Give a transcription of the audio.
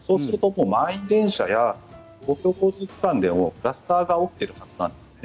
満員電車や公共交通機関でもクラスターが起きているはずなんですね。